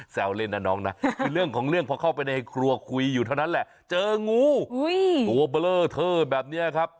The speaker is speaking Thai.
เล่นนะน้องนะคือเรื่องของเรื่องพอเข้าไปในครัวคุยอยู่เท่านั้นแหละเจองูตัวเบลอเทอร์แบบนี้ครับ